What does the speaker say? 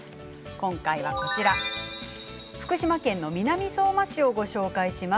今回は福島県の南相馬市をご紹介します。